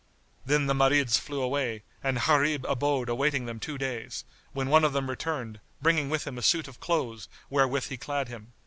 Then the Marids flew away and Gharib abode awaiting them two days, when one of them returned, bringing with him a suit of clothes wherewith he clad him.